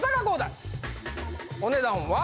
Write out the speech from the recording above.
お値段は。